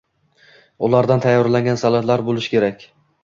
Ulardan tayyorlangan salatlar boʻlishi kerak.